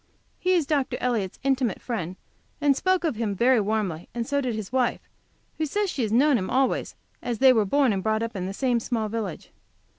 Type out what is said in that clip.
He is Dr. Elliott's intimate friend, and spoke of him very warmly, and so did his wife, who says she has known him always, as they were born and brought up in the same village.